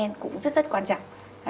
cơn hen cũng rất rất quan trọng